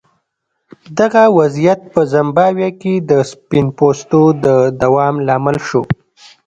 دغه وضعیت په زیمبابوې کې د سپین پوستو د دوام لامل شو.